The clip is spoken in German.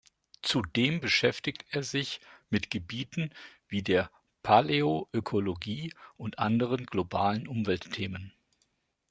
Zudem beschäftigt er sich mit Gebieten wie der Paläoökologie und anderen globalen Umweltthemen.